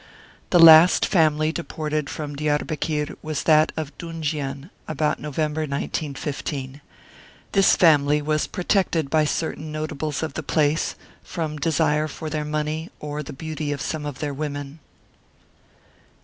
The last family deported from Diarbekir was that of Dunjian, about November, 1915. This family was protected by certain Notables of the place, from desire for their money, or the beauty of some of their women.